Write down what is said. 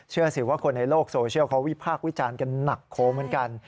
สิว่าคนในโลกโซเชียลเขาวิพากษ์วิจารณ์กันหนักโค้งเหมือนกัน